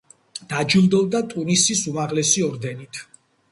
დაჯილდოვდა ტუნისის უმაღლესი ორდენით.